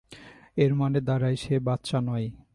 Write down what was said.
এর মানে দাঁড়ায় সে বাচ্চা নয়।